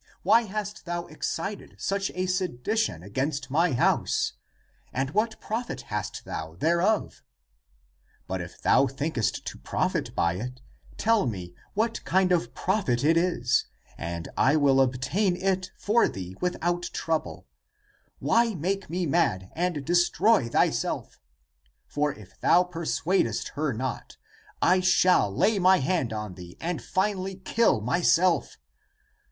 Why hast thou excited such a sedition against my house ? And what profit hast thou thereof? But if thou think est to profit by it, tell me what kind of profit it is, and I will obtain it for thee without trouble. Why make me mad, and destroy thyself? For if thou persuadest her not I shall lay my hand on thee and finally kill myself.